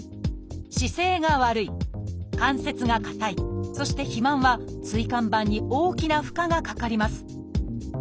「姿勢が悪い」「関節が硬い」そして「肥満」は椎間板に大きな負荷がかかります。